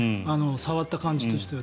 触った感じとしては。